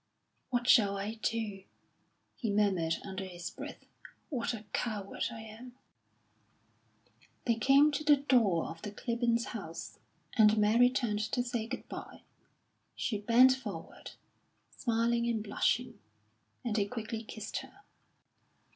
"What shall I do?" he murmured under his breath. "What a coward I am!" They came to the door of the Clibborns' house and Mary turned to say good bye. She bent forward, smiling and blushing, and he quickly kissed her.